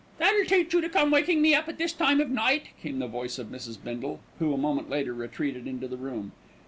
"That'll teach you to come waking me up at this time of night," came the voice of Mrs. Bindle, who, a moment later, retreated into the room.